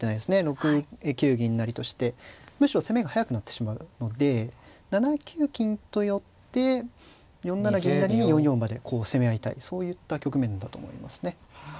６九銀成としてむしろ攻めが速くなってしまうので７九金と寄って４七銀成に４四馬で攻め合いたいそういった局面だと思いますね。